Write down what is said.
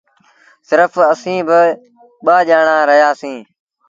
سرڦ اَسيٚݩ ٻآ ڄآڻآن رهيآ سيٚݩ۔